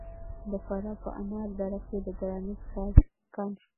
د فراه په انار دره کې د ګرانیټ کان شته.